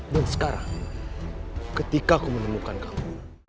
dan sekarang ketika aku menemukan kamu